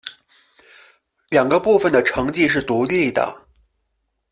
两个部分的成绩是独立的。